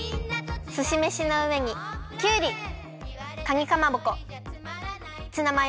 すしめしのうえにきゅうりかにかまぼこツナマヨ